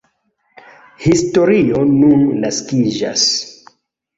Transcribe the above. Historio nun naskiĝas.